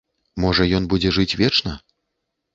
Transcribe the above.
Можа, ён будзе жыць вечна?